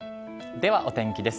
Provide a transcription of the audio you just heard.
ではお天気です。